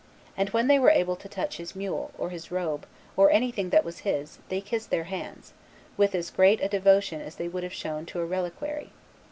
And when they were able to touch his mule, or his robe, or anything that was his, they kissed their hands ... with as great devotion as they would have shown to a reliquary.